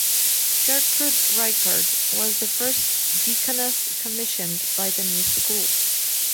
Gertrud Reichardt was the first deaconess commissioned by the new school.